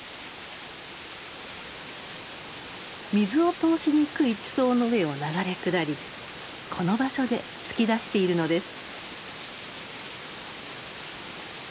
水を通しにくい地層の上を流れ下りこの場所で噴き出しているのです。